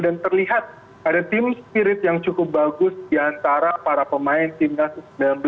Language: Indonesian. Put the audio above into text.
dan terlihat ada tim spirit yang cukup bagus di antara para pemain timnas u sembilan belas